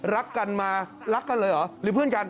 รักกันมารักกันเลยเหรอหรือเพื่อนกัน